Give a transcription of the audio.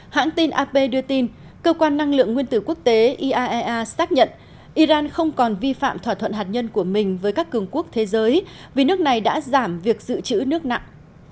hãng tin ap đưa tin cơ quan năng lượng nguyên tử quốc tế iaea xác nhận iran không còn vi phạm thỏa thuận hạt nhân của mình với các cường quốc thế giới vì nước này đã giảm việc dự trữ nước nặng